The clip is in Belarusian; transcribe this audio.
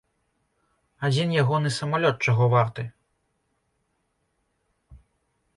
Адзін ягоны самалёт чаго варты!